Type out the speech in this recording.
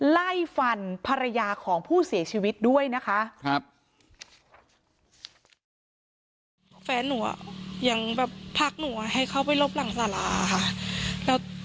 ไล่ฟันภรรยาของผู้เสียชีวิตด้วยนะคะ